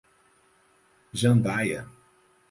Jandaia